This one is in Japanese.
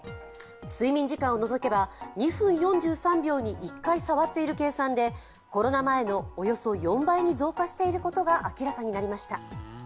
睡眠時間を除けば２分４３秒に１回触っている計算でコロナ前のおよそ４倍に増加していることが明らかになりました。